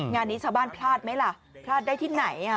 งานนี้ชาวบ้านพลาดไหมล่ะพลาดได้ที่ไหน